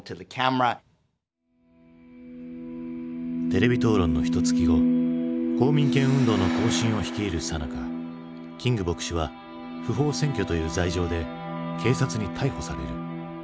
テレビ討論のひとつき後公民権運動の行進を率いるさなかキング牧師は不法占拠という罪状で警察に逮捕される。